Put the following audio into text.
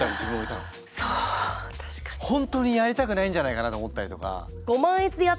本当にやりたくないんじゃないかなと思ったりとか。